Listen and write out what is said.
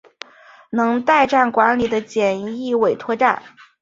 能代站管理的简易委托站。